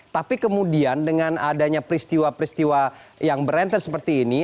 tapi kemudian dengan adanya peristiwa peristiwa yang berenter seperti ini